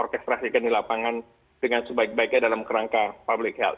orkestrasikan di lapangan dengan sebaik baiknya dalam kerangka public healt